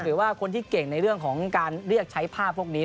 หรือว่าคนที่เก่งในเรื่องของการเรียกใช้ภาพพวกนี้